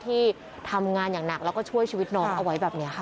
ที่ทำงานอย่างหนักแล้วก็ช่วยชีวิตน้องเอาไว้แบบนี้ค่ะ